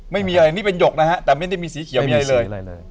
ไม่มีอะไรนี่เป็นหยกนะฮะแต่ไม่ได้มีสีเขียวมีอะไรเลย